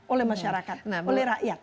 oleh masyarakat oleh rakyat